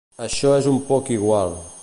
Això és un poc igual.